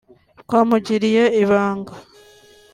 Twamugiriye ibanga